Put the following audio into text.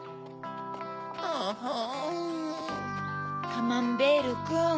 カマンベールくん。